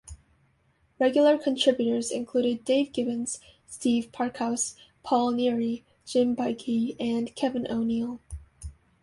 Regular contributors included Dave Gibbons, Steve Parkhouse, Paul Neary, Jim Baikie and Kevin O'Neill.